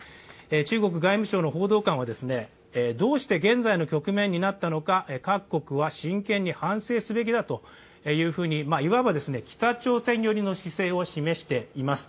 中国外務省の報道官は、どうして現在の局面になったのか各国は真剣に反省すべきだと、いわば、北朝鮮寄りの姿勢を示しています。